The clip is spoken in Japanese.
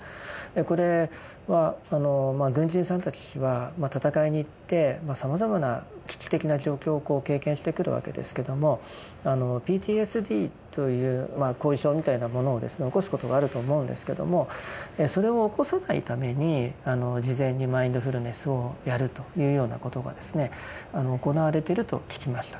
これは軍人さんたちはまあ戦いに行ってさまざまな危機的な状況を経験してくるわけですけどもＰＴＳＤというまあ後遺症みたいなものを起こすことがあると思うんですけどもそれを起こさないために事前にマインドフルネスをやるというようなことがですね行われてると聞きました。